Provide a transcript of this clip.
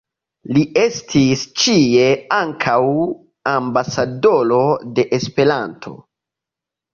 Li estis ĉie ankaŭ "ambasadoro de Esperanto.